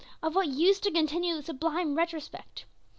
Of what use to continue the sublime retrospect.